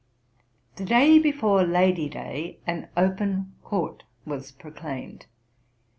The day before Lady Day, an open court was proclaimed.